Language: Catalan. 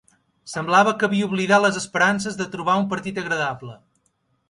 Semblava que havia oblidat les esperances de trobar un partit agradable.